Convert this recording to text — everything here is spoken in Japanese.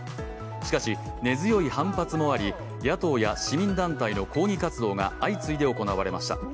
しかし、根強い反発もあり、野党や市民団体の抗議活動が相次いで行われました。